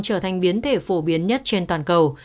trở thành biến thể phổ biến nhất trên toàn cầu